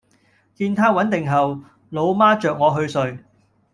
見她穩定後，老媽著我去睡